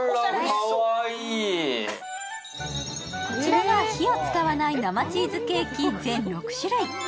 こちらが火を使わない生チーズケーキ全６種類。